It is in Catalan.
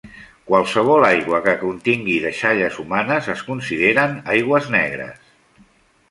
Qualsevol aigua que contingui deixalles humanes es consideren aigües negres.